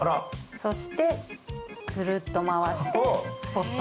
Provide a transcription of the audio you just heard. そしてくるっと回してスポっと。